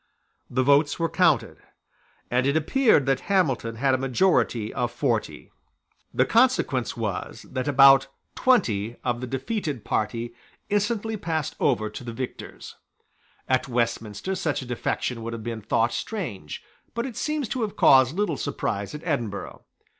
The votes were counted; and it appeared that Hamilton had a majority of forty. The consequence was that about twenty of the defeated party instantly passed over to the victors, At Westminster such a defection would have been thought strange; but it seems to have caused little surprise at Edinburgh.